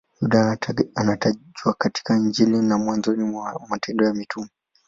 Yuda anatajwa katika Injili na mwanzoni mwa Matendo ya Mitume.